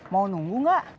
mau nunggu nggak